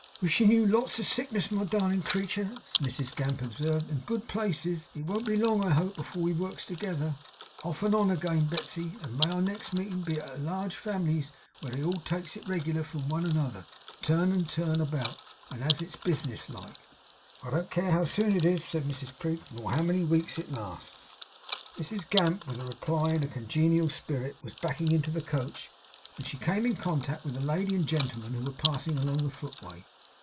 'Wishin you lots of sickness, my darlin creetur,' Mrs Gamp observed, 'and good places. It won't be long, I hope, afore we works together, off and on, again, Betsey; and may our next meetin' be at a large family's, where they all takes it reg'lar, one from another, turn and turn about, and has it business like.' 'I don't care how soon it is,' said Mrs Prig; 'nor how many weeks it lasts.' Mrs Gamp with a reply in a congenial spirit was backing to the coach, when she came in contact with a lady and gentleman who were passing along the footway.